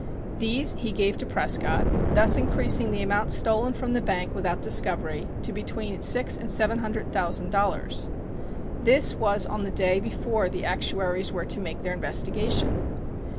These he gave to Prescott, thus increasing the amount stolen from the bank without discovery to between six and seven hundred thousand dollars. This was on the day before the actuaries were to make their investigation.